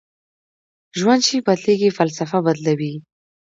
ژوند چې بدلېږي فلسفه بدلوي